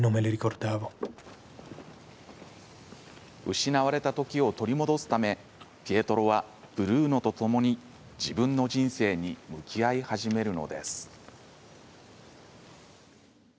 失われた時を取り戻すためピエトロはブルーノとともに自分の人生に向き合い始めるのです。